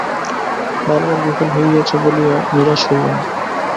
বার বার বিফল হইয়াছ বলিয়া নিরাশ হইও না।